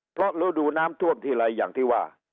เพราะฤดูน้ำท่วมทีไรอย่างที่ว่า